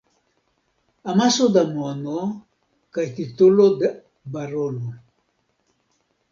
Amaso da mono kaj titolo de barono.